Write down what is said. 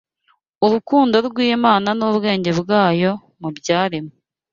urukundo rw’Imana n’ubwenge bwayo mu byaremwe